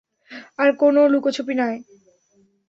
আর কোনও লুকোছাপা নয়!